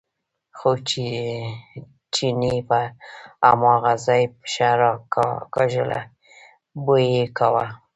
خو چیني پر هماغه ځای پښه راکاږله، بوی یې کاوه.